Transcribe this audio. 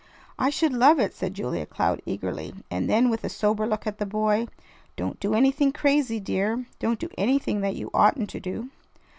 "I should love it," said Julia Cloud eagerly, and then with a sober look at the boy: "Don't do anything crazy, dear! Don't do anything that you oughtn't to do."